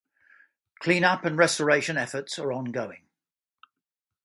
Cleanup and restoration efforts are ongoing.